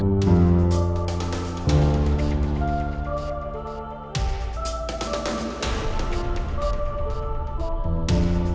aku harus bantu dengan cara apa